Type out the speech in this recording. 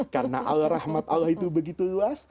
karena allah rahmat allah itu begitu luas